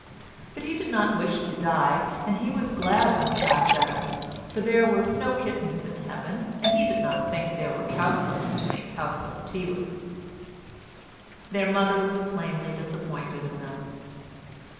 but he did not wish to die, and was glad when he got better, for there were no kittens in heaven, and he did not think there were cowslips to make cowslip tea with. Their mother was plainly disappointed in them.